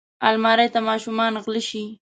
الماري ته ماشومان غله شي